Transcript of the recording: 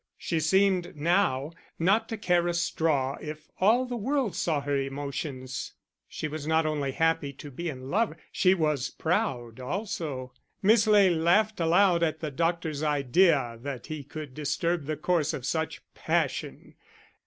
She seemed now not to care a straw if all the world saw her emotions. She was not only happy to be in love, she was proud also. Miss Ley laughed aloud at the doctor's idea that he could disturb the course of such passion....